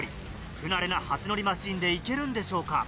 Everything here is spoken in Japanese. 不慣れな初乗りマシンで行けるんでしょうか。